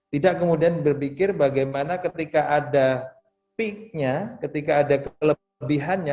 tidak kemudian berpikir bagaimana ketika ada peaknya ketika ada kelebihannya